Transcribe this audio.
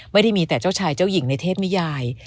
ไม่ได้มีแต่เจ้าชายเจ้าหญิงในเทพนิยาย